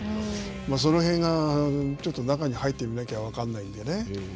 その辺がちょっと中に入ってみなきゃ分からないんでね。